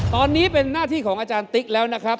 ตอนนี้เป็นหน้าที่ของอาจารย์ติ๊กแล้วนะครับ